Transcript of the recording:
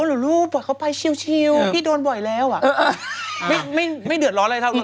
โอลูลูปล่อยเข้าไปชิลล์พี่โดนบ่อยแล้วไม่เดือดร้อนเลยเท่าไหร่